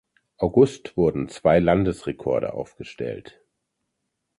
August wurden zwei Landesrekorde aufgestellt.